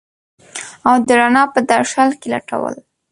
او د رڼا په درشل کي لټول